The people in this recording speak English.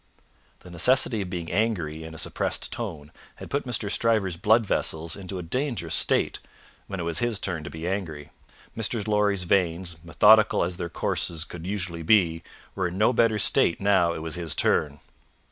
The necessity of being angry in a suppressed tone had put Mr. Stryver's blood vessels into a dangerous state when it was his turn to be angry; Mr. Lorry's veins, methodical as their courses could usually be, were in no better state now it was his turn.